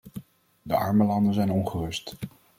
De arme landen zijn ongerust.